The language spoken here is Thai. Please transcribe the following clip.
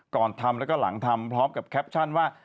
ก่อนทำแล้วก็หลังทำพร้อมกับแคปชั่นว่า